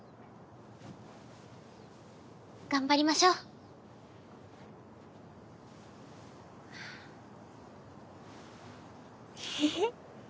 頑張りましょう。へへっ。